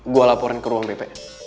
gue laporin ke ruang bpn